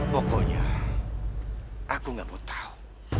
pokoknya aku gak mau tahu